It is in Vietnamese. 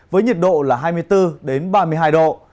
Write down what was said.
với nhiệt độ là hai mươi bốn ba mươi hai độ